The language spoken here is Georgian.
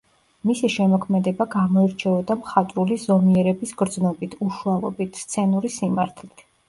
მისი შემოქმედება გამოირჩეოდა მხატვრული ზომიერების გრძნობით, უშუალობით, სცენური სიმართლით.